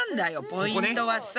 ポイントはさ。